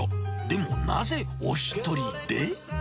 でもなぜ、お一人で？